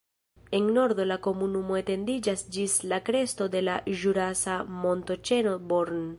En nordo la komunumo etendiĝas ĝis la kresto de la ĵurasa montoĉeno Born.